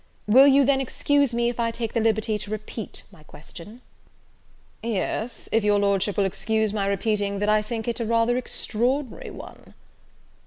Will you, then, excuse me, if I take the liberty to repeat my question?" "Yes, if your Lordship will excuse my repeating, that I think it a rather extraordinary one."